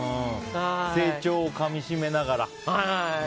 成長をかみしめながら。